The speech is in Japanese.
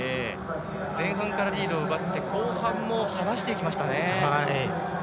前半からリードを奪って後半もう離していきました。